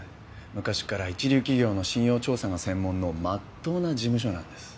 昔から一流企業の信用調査が専門の真っ当な事務所なんです。